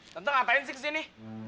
tante ngapain sih kesini